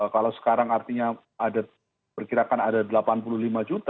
kalau sekarang artinya ada perkirakan ada delapan puluh lima juta